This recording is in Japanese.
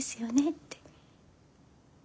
って。